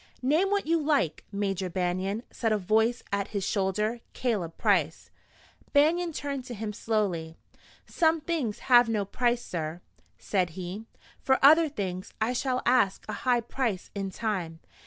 "Name what you like, Major Banion," said a voice at his shoulder Caleb Price. Banion turned to him slowly. "Some things have no price, sir," said he. "For other things I shall ask a high price in time.